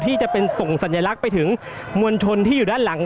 ที่จะเป็นส่งสัญลักษณ์ไปถึงมวลชนที่อยู่ด้านหลัง